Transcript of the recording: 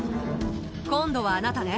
今度はあなたね。